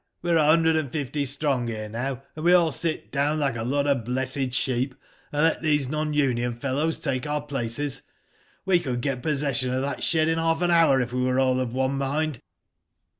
We're a hundred and fifty strong here now, and we all sit down like a lot of blessed sheep, and let these non union fellows take our places. We could get possession of that shed in half an hour, if we were all of one mind."